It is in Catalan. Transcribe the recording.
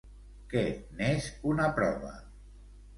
Què n'és una prova?